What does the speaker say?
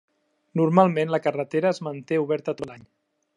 Normalment, la carretera es manté oberta tot l'any.